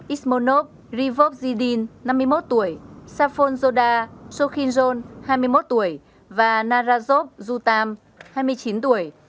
ismonov rivobzidin năm mươi một tuổi safon zoda sokhinzon hai mươi một tuổi và narazov zutam hai mươi chín tuổi